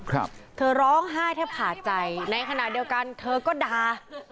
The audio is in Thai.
ครับเธอร้องไห้แทบขาดใจในขณะเดียวกันเธอก็ด่า